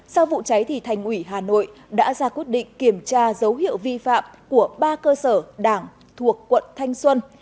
sau vụ cháy thì thành ủy hà nội đã ra quyết định kiểm tra dấu hiệu vi phạm của ba cơ sở đảng thuộc quận thanh xuân